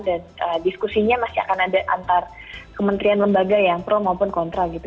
dan diskusinya masih akan ada antara kementerian lembaga yang pro maupun kontra gitu